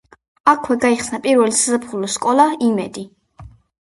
აქვე გაიხსნა პირველი საზაფხულო სკოლა „იმედი“.